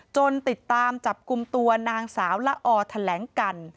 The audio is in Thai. ติดตามจับกลุ่มตัวนางสาวละออแถลงกัน